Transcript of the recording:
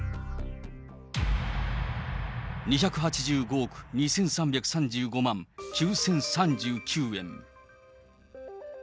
２８５億２３３５万９０３９円。